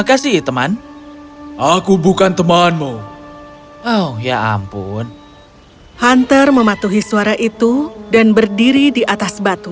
kasih teman aku bukan temanmu oh ya ampun hunter mematuhi suara itu dan berdiri di atas batu